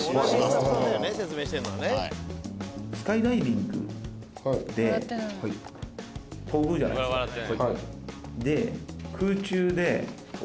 スカイダイビングって飛ぶじゃないですかこうやって。